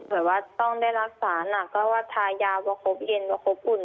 แต่ว่าต้องได้รักษาหนักก็ว่าทายาประคบเย็นประคบอุ่น